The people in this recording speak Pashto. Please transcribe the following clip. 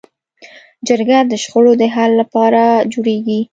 جرګه د شخړو د حل لپاره جوړېږي